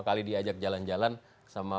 kali diajak jalan jalan sama